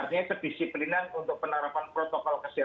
artinya kedisiplinan untuk penerapan protokol kesehatan